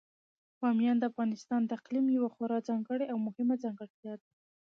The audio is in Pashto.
بامیان د افغانستان د اقلیم یوه خورا ځانګړې او مهمه ځانګړتیا ده.